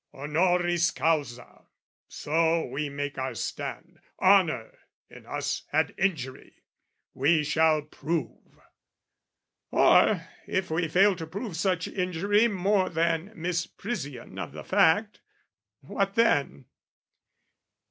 Honoris causa; so we make our stand: Honour in us had injury, we shall prove. Or if we fail to prove such injury More than misprision of the fact, what then?